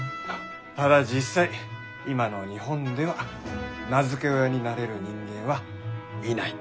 ただ実際今の日本では名付け親になれる人間はいない。